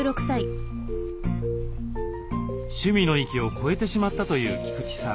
趣味の域を超えてしまったという菊池さん。